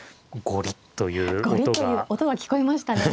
ゴリッという音が聞こえましたね